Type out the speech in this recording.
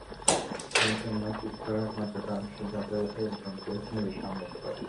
আমি চেন্নাইয়ে শিফট করার একমাত্র কারণ ছিল যাতে এরকম কেস নিজে সামলাতে পারি।